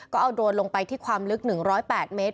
ก็เอาโดรนลงไปที่ความลึก๑๐๘เมตร